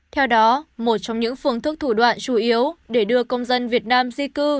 theo đó một trong những phương thức thủ đoạn chủ yếu để đưa công dân việt nam di cư